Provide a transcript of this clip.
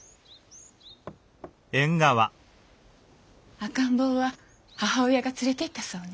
赤ん坊は母親が連れて行ったそうね。